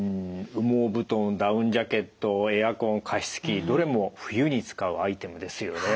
羽毛布団ダウンジャケットエアコン加湿器どれも冬に使うアイテムですよね。